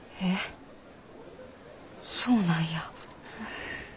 えそうなんや。